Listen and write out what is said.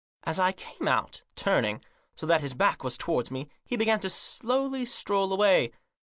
As I came out, turning, so that his back was towards me, he began to slowly stroll away.